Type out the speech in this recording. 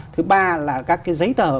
thứ ba là các cái giấy tờ